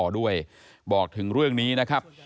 ด้วยบอกถึงเรื่องนี้นะครับ